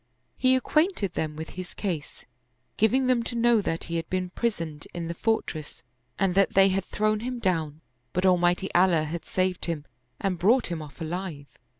He acquainted them with his case, giving them to know that he had been prisoned in the fortress and that they had thrown him down, but Almighty Allah had saved him and brought him off alive.